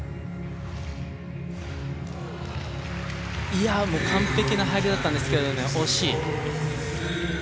いやあもう完璧な入りだったんですけれどね惜しい！